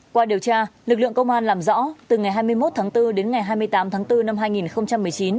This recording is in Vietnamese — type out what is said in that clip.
qua điều tra lực lượng công an làm rõ từ ngày hai mươi một tháng bốn đến ngày hai mươi tám tháng bốn năm hai nghìn một mươi chín